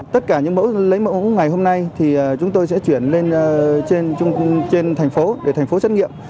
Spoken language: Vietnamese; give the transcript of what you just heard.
tất cả những mẫu lấy mẫu ngày hôm nay thì chúng tôi sẽ chuyển lên trên thành phố để thành phố xét nghiệm